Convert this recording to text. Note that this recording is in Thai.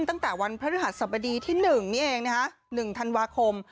ตั้งแต่วันพระธรรมดีที่หนึ่งนี่เองนะฮะหนึ่งธันวาคม